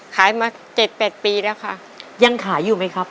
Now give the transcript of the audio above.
ขายมา๗๘ปีแล้วค่ะยังขายอยู่ไหมครับ